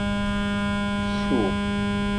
Fsu.